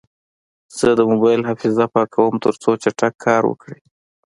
زه د موبایل حافظه پاکوم، ترڅو چټک کار وکړي.